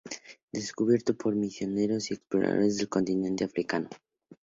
Descubierto por misioneros y exploradores del continente africano.